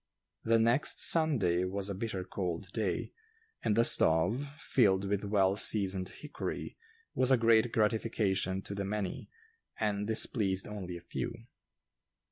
The next Sunday was a bitter cold day, and the stove, filled with well seasoned hickory, was a great gratification to the many, and displeased only a few.